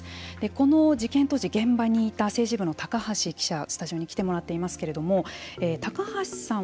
この事件当時現場にいた政治部の高橋記者スタジオに来てもらっていますけれども高橋さん